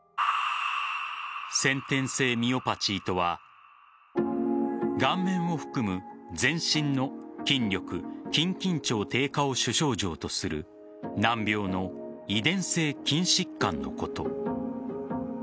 先天性ミオパチーとは顔面を含む全身の筋力・筋緊張低下を主症状とする難病の遺伝性筋疾患のこと。